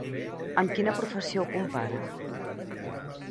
Amb quina professió ho compara?